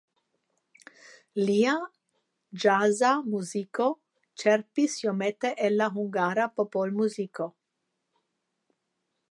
Lia ĵaza muziko ĉerpis iomete el la hungara popolmuziko.